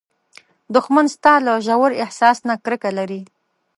دښمن ستا له ژور احساس نه کرکه لري